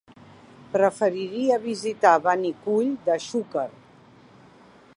Preferiria visitar Benicull de Xúquer.